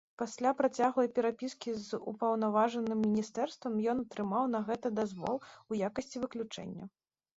Пасля працяглай перапіскі з упаўнаважаным міністэрствам ён атрымаў на гэта дазвол у якасці выключэння.